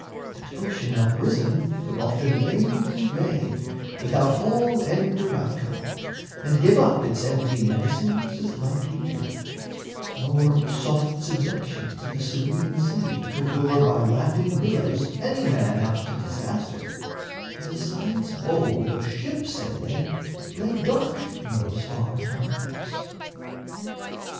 But ocean uprisen would often rave in vain, Without all end or outcome, and give up Its empty menacings as lightly too; Nor soft seductions of a serene sea Could lure by laughing billows any man Out to disaster: for the science bold Of ship sailing lay dark in those far times.